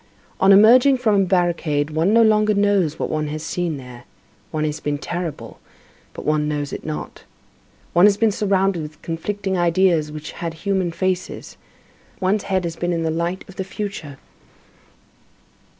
On emerging from a barricade, one no longer knows what one has seen there. One has been terrible, but one knows it not. One has been surrounded with conflicting ideas which had human faces; one's head has been in the light of the future.